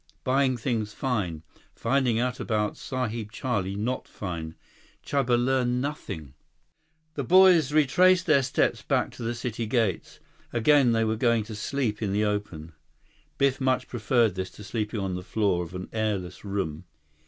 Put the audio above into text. "Buying things fine. Finding out about Sahib Charlie not fine. Chuba learn nothing." 110 The boys retraced their steps back to the city gates. Again they were going to sleep in the open. Biff much preferred this to sleeping on the floor of an airless room.